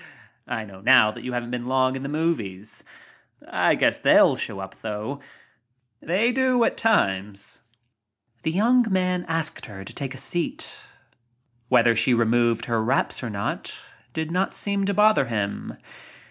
I know now thati you haven't been long in the movies. Nobody gives a whoop for appointments or time. I guess they'll show up, though. They do at times." The young man asked her to take a seat. Whether she removed her wraps or not did not seem to bother him.